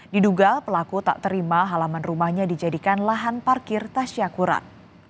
diduga pelaku tak terima halaman rumahnya dijadikan lahan parkir tasyakuran